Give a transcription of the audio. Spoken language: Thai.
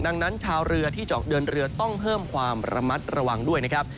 ดังนั้นชาวเรือที่เจาะเดินเรือต้องเพิ่มความระมัดระวังด้วยนะครับ